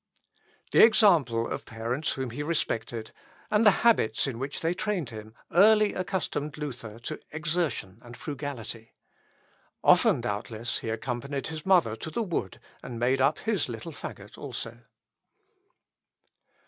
The example of parents whom he respected, and the habits in which they trained him, early accustomed Luther to exertion and frugality. Often, doubtless, he accompanied his mother to the wood, and made up his little faggot also.